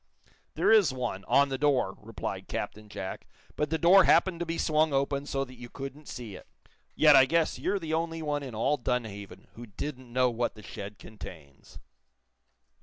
"There is one, on the door," replied Captain Jack. "But the door happened to be swung open, so that you couldn't see it. Yet I guess you're the only one in all Dunhaven who didn't know what the shed contains."